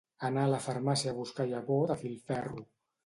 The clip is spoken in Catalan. Anar a la farmàcia a buscar llavor de filferro.